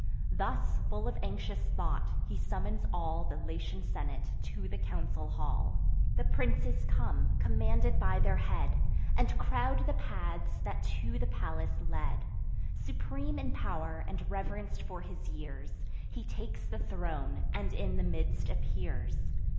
Thus, full of anxious thought, he summons all The Latian senate to the council hall. The princes come, commanded by their head, And crowd the paths that to the palace lead. Supreme in pow'r, and reverenc'd for his years, He takes the throne, and in the midst appears.